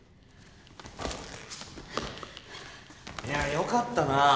いやよかったな